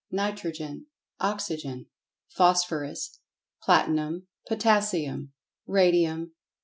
Nitrogen. Oxygen. Phosphorus. Platinum. Potassium. Radium.